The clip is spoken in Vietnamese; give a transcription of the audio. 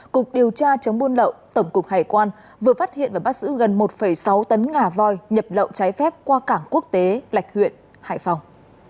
cục điều tra chống buôn lậu tổng cục hải quan vừa phát hiện và bắt giữ gần một sáu tấn ngà voi nhập lậu trái phép qua cảng quốc tế lạch huyện hải phòng